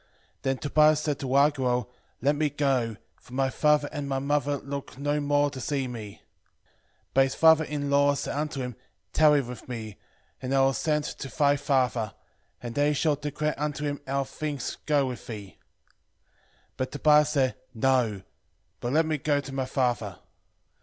Then Tobias said to Raguel, Let me go, for my father and my mother look no more to see me. 10:8 But his father in law said unto him, Tarry with me, and I will send to thy father, and they shall declare unto him how things go with thee. 10:9 But Tobias said, No; but let me go to my father.